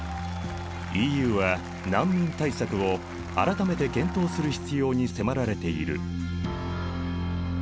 ＥＵは難民対策を改めて検討する必要に迫られている。